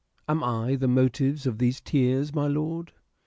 Am I the motives of these tears, my lord